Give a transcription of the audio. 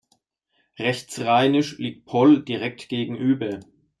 Rechtsrheinisch liegt Poll direkt gegenüber.